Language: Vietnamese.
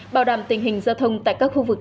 bảo đảm tình hình giao thông tại các khu vực